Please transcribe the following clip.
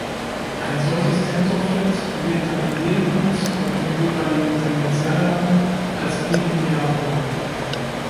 Ein solches Tensorfeld wirkt dann in jedem Punkt auf dem jeweiligen Tangentialraum als Bilinearform.